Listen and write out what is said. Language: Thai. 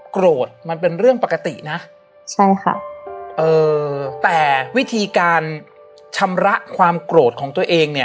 โกรธมันเป็นเรื่องปกตินะใช่ค่ะเอ่อแต่วิธีการชำระความโกรธของตัวเองเนี่ย